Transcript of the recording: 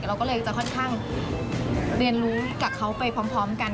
เราก็เลยจะค่อนข้างเรียนรู้กับเขาไปพร้อมกัน